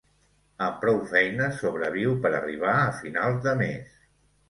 Amb prou feines sobreviu per arribar a finals de mes.